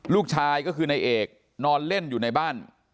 ลูกชายก็คือนายเอกนอนเล่นอยู่ในบ้าน